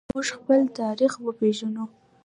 د ژبې له لارې موږ خپل تاریخ وپیژنو.